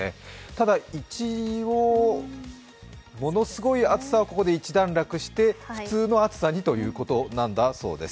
ただ、一応、ものすごい暑さはここで一段落して普通の暑さにということなんだそうです。